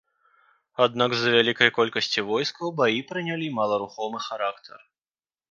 Аднак з-за вялікай колькасці войскаў баі прынялі маларухомы характар.